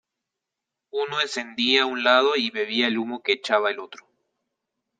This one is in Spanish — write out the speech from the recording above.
Uno encendía un lado y "bebía" el humo que echaba el otro.